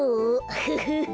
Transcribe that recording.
フフフ。